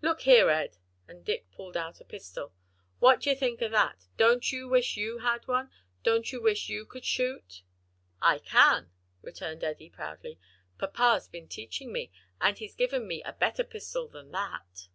Look here, Ed," and Dick pulled out a pistol, "what d'ye think o' that? don't you wish you had one? don't you wish you could shoot?" "I can," returned Eddie, proudly, "papa's been teaching me, and he's given me a better pistol than that."